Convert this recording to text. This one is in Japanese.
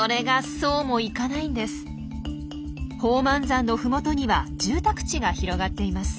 宝満山の麓には住宅地が広がっています。